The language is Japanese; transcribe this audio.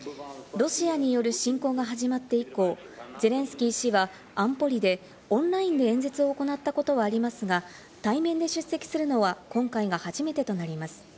ロシアによる侵攻が始まって以降、ゼレンスキー氏は安保理でオンラインで演説を行ったことはありますが、対面で出席するのは今回が初めてとなります。